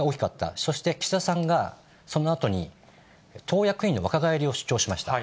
そして岸田さんがそのあとに党役員の若返りを主張しました。